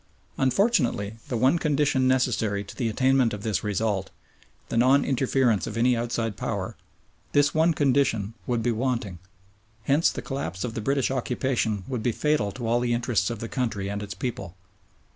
Unfortunately the one condition necessary to the attainment of this result the non interference of any outside Power this one condition would be wanting. Hence the collapse of the British occupation would be fatal to all the interests of the country and its people.